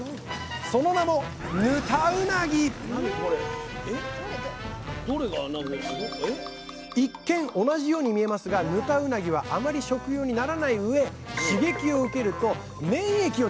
その名も一見同じように見えますがヌタウナギはあまり食用にならないうえ刺激を受けると粘液を出します。